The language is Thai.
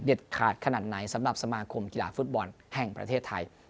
ขาดขนาดไหนสำหรับสมาคมกีฬาฟุตบอลแห่งประเทศไทย